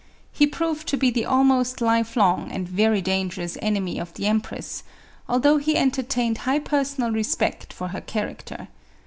He proved to be the almost life long and very dangerous enemy of the empress, although he entertained high personal respect for her character.